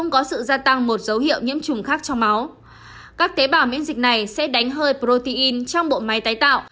các tế bào miễn dịch này sẽ đánh hơi protein trong bộ máy tái tạo